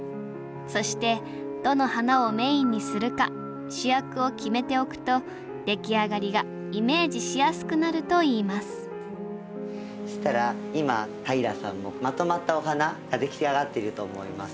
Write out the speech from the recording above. そしてどの花をメインにするか主役を決めておくとできあがりがイメージしやすくなるといいますそしたら今平さんもまとまったお花ができあがっていると思います。